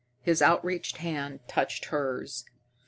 His outstretched hand touched hers.